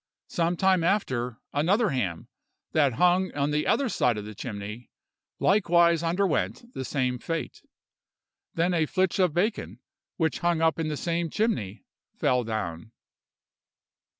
Some time after, another ham, that hung on the other side of the chimney, likewise underwent the same fate. Then a flitch of bacon, which hung up in the same chimney, fell down.